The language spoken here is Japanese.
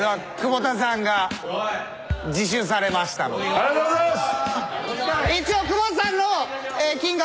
ありがとうございます。